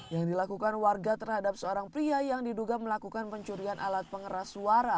yang dilakukan warga terhadap seorang pria yang diduga melakukan pencurian alat pengeras suara